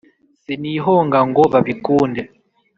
sinihonga ngo babikunde